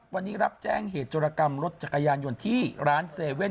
วันนี้รับแจ้งเหตุจรกรรมรถจักรยานยนต์ที่ร้าน๗๑๑